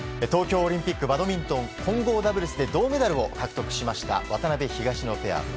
東京オリンピックバドミントン混合ダブルスで銅メダルを獲得しました渡辺、東野ペア。